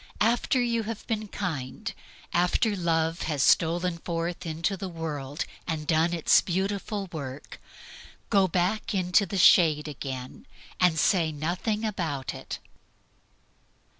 After you have been kind, after Love has stolen forth into the world and done its beautiful work, go back into the shade again and say nothing about it.